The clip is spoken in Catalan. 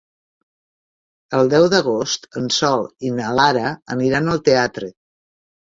El deu d'agost en Sol i na Lara aniran al teatre.